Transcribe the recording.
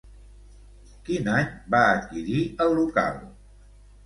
Quin any va adquirir el local?